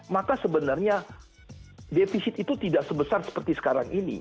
maka sebenarnya defisit itu tidak sebesar seperti sekarang ini